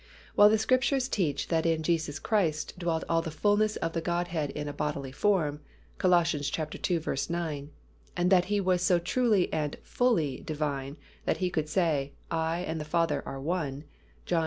While the Scriptures teach that in Jesus Christ dwelt all the fullness of the Godhead in a bodily form (Col. ii. 9) and that He was so truly and _fully _ Divine that He could say, "I and the Father are one" (John x.